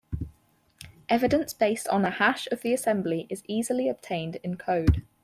Evidence based on a hash of the assembly is easily obtained in code.